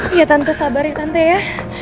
kita dengerin aja